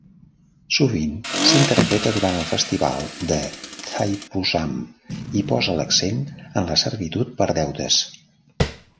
Sovint s'interpreta durant el festival de Thaipusam i posa l'accent en la servitud per deutes.